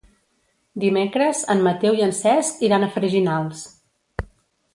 Dimecres en Mateu i en Cesc iran a Freginals.